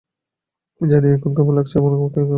জানি এখন কেমন লাগছে এবং আমার এখন কী লাগবে।